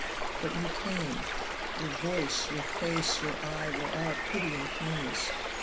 "But you came. Your voice, your face, your eye were all pity and kindness.